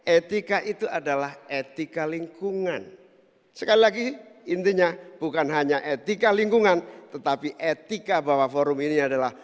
etika itu adalah etika lingkungan sekali lagi intinya bukan hanya etika lingkungan tetapi etika bahwa forum ini adalah